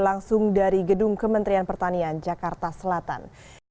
langsung dari gedung kementerian pertanian jakarta selatan